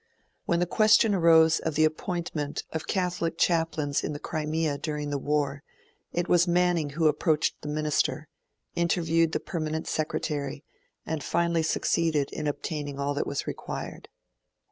When the question arose of the appointment of Catholic chaplains in the Crimea during the war, it was Manning who approached the Minister, interviewed the Permanent Secretary, and finally succeeded in obtaining all that was required.